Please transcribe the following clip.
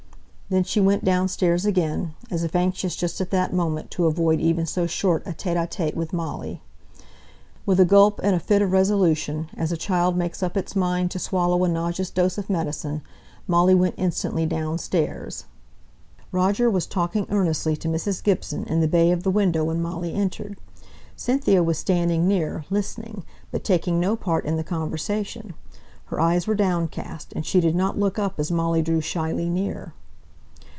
Then she went downstairs again, as if anxious just at that moment to avoid even so short a tÉte ł tÉte with Molly. With a gulp and a fit of resolution, as a child makes up its mind to swallow a nauseous dose of medicine, Molly went instantly downstairs. Roger was talking earnestly to Mrs. Gibson in the bow of the window when Molly entered; Cynthia was standing near, listening, but taking no part in the conversation. Her eyes were downcast, and she did not look up as Molly drew shyly near.